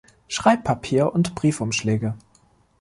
Schreibpapier und Briefumschläge.